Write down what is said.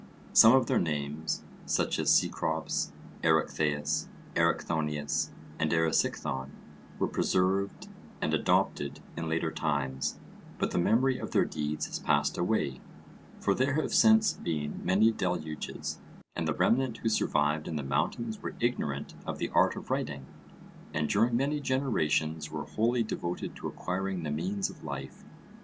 Some of their names, such as Cecrops, Erechtheus, Erichthonius, and Erysichthon, were preserved and adopted in later times, but the memory of their deeds has passed away; for there have since been many deluges, and the remnant who survived in the mountains were ignorant of the art of writing, and during many generations were wholly devoted to acquiring the means of life...